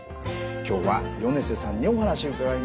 今日は米瀬さんにお話伺いました。